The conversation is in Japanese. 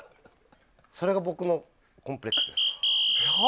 それが僕のコンプレックスです。